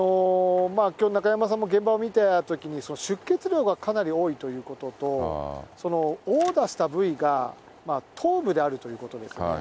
きょう、中山さんも現場を見たときに、出血量がかなり多いということと、殴打した部位が頭部であるということですね。